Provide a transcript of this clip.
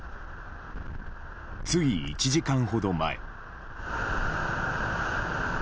つい１時間ほど前。